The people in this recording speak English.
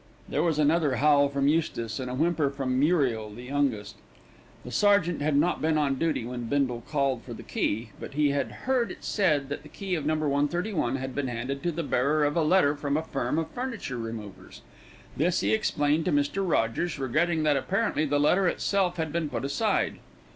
There was another howl from Eustace, and a whimper from Muriel the youngest. The sergeant had not been on duty when Bindle called for the key, but he had heard it said that the key of No. 131 had been handed to the bearer of a letter from a firm of furniture removers. This he explained to Mr. Rogers, regretting that apparently the letter itself had been put aside.